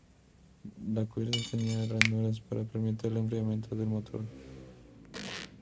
La cubierta tenía ranuras para permitir el enfriamiento del motor.